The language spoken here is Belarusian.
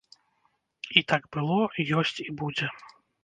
І так было, ёсць і будзе.